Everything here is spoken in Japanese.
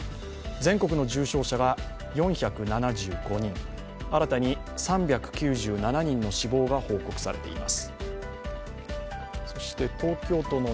全国の重症者が４７５人、新たに３９７人の死亡が報告されています。